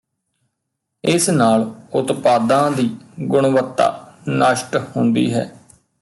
ਇਸ ਨਾਲ ਉਤਪਾਦਾਂ ਦੀ ਗੁਣਵੱਤਾ ਨਸ਼ਟ ਹੁੰਦੀ ਹੈ